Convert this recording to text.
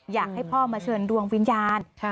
อยากให้พ่อมาเชิญดวงวิญญาณ